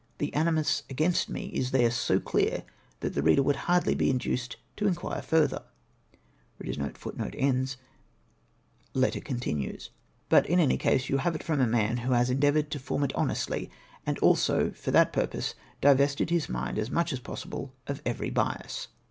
The animus against me is there so clear, that the reader would hardly be induced to inquire further. c c 2 388 LETTER OF THE LATE DUXE OF ILOIILTOX, from a man who has endeavoured to form it honestly, and also, for that purpose, divested his mind, as much as possible, of every bias.